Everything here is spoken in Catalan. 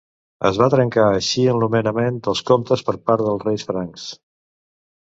Es va trencar així el nomenament dels comtes per part dels reis francs.